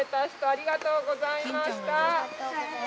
ありがとうございます。